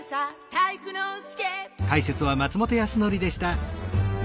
体育ノ介」